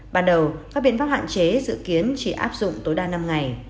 ban đầu các biện pháp hạn chế dự kiến chỉ áp dụng tối đa năm ngày